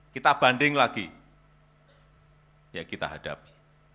kita banding lagi ya kita hadapi